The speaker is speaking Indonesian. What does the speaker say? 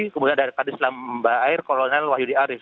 kemudian ada dari kri dislan air kolonel wahyudi arief